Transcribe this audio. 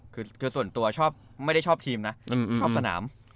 คือส่วนตัวชอบไม่ได้ชอบทีมนะชอบสนาม